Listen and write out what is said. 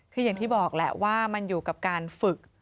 คืออย่างที่บอกแหละว่ามันอยู่กับการฝึก